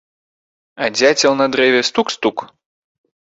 А дзяцел на дрэве стук-стук.